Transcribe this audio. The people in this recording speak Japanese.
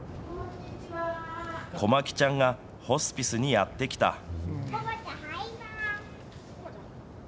こまきちゃんがホスピスにやって来た。